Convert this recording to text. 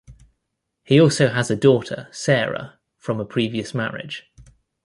He also has a daughter, Sarah, from a previous marriage.